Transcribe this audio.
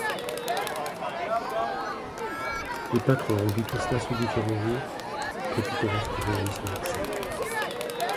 Les peintres ont rendu tout cela sous différents jours, entre pittoresque, réalisme et excès.